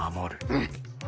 うん！